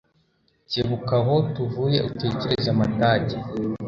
kebuka aho tuvuye utekereze amatage